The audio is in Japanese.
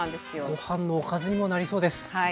ご飯のおかずにもなりそうです。